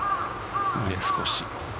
上少し。